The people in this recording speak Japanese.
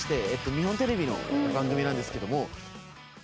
日本テレビの番組なんですけども。